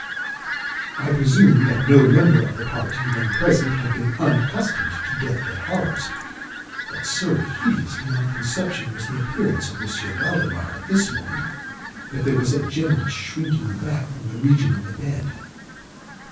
I presume that no member of the party then present had been unaccustomed to death bed horrors; but so hideous beyond conception was the appearance of M. Valdemar at this moment, that there was a general shrinking back from the region of the bed.